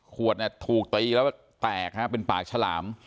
ขวดเนี่ยถูกตีแล้วแตกฮะเป็นปากฉลาม